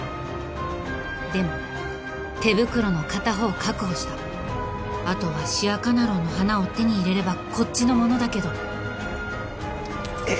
でも手袋の片方確保したあとはシヤカナローの花を手に入れればこっちのものだけどええ